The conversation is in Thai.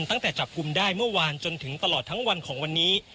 ตั้งแต่จับกลุ่มได้เมื่อวานจนถึงตลอดทั้งวันของวันนี้